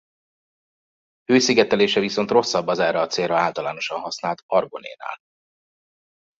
Hőszigetelése viszont rosszabb az erre a célra általánosan használt argonénál.